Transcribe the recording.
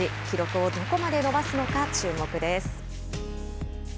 記録をどこまで伸ばすのか注目です。